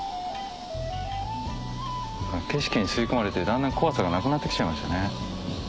景色に吸い込まれてだんだん怖さがなくなって来ちゃいましたね。